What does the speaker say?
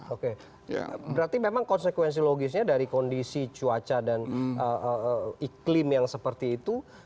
oke berarti memang konsekuensi logisnya dari kondisi cuaca dan iklim yang seperti itu